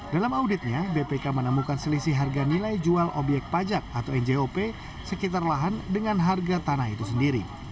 dalam auditnya bpk menemukan selisih harga nilai jual obyek pajak atau njop sekitar lahan dengan harga tanah itu sendiri